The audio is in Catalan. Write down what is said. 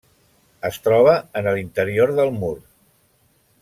Es troba en l'interior del mur.